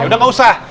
ya udah nggak usah